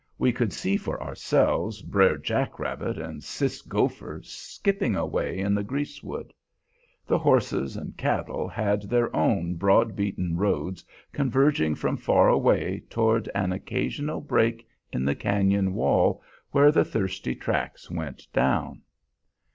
We could see for ourselves Bre'r Jack rabbit and Sis' Gopher skipping away in the greasewood. The horses and cattle had their own broad beaten roads converging from far away toward an occasional break in the cañon wall, where the thirsty tracks went down.